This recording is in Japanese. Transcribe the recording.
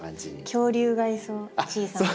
恐竜がいそう小さな。